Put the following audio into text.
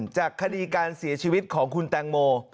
จากคดีการเสียชีวิตของคุณแตงโม